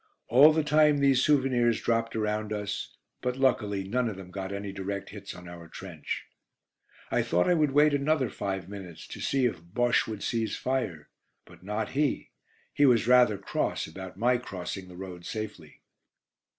All the time these souvenirs dropped around us, but luckily none of them got any direct hits on our trench. I thought I would wait another five minutes, to see if Bosche would cease fire. But not he. He was rather cross about my crossing the road safely.